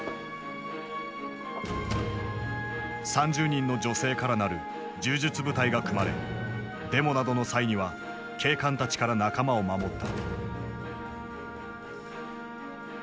３０人の女性から成る柔術部隊が組まれデモなどの際には警官たちから仲間を守った。